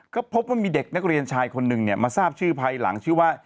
ก็พบว่ามีเด็กนักเรียนชายคนหนึ่งมาทราบชื่อภายหลังชื่อว่า